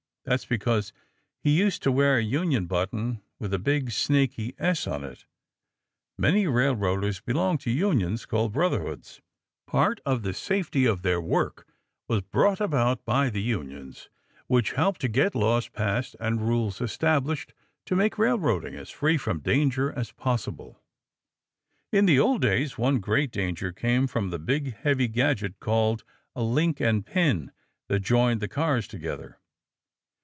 That's because he used to wear a union button with a big snaky S on it. Many railroaders belong to unions called Brotherhoods. Part of the safety of their work was brought about by the unions which helped to get laws passed and rules established to make railroading as free from danger as possible. [Illustration: back in hot box cross over train should back away come in on track four] In the old days, one great danger came from the big, heavy gadget called a link and pin that joined the cars together.